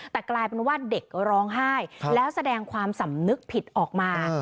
แต่กลายเป็นว่าเด็กร้องไห้แล้วแสดงความสำนึกผิดออกมา